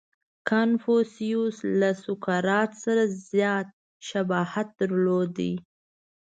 • کنفوسیوس له سوکرات سره زیات شباهت درلود.